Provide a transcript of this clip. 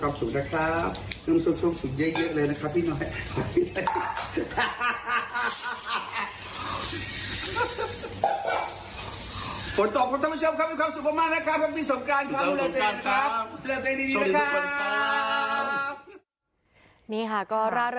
สวัสดีใหม่ทุกคนนะครับ